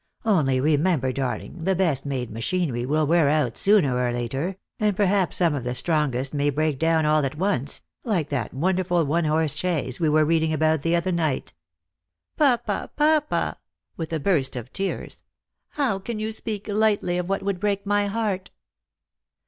Only remember, darling, the best made machinery will wear out sooner or later, and perhaps some of the strongest may break down all at once, like that wonderful one horse chaise we were reading about the other night." " Papa, papa !" with a burst of tears, " how can you speak lightly of what would break my heart